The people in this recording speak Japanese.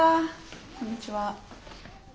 こんにちは。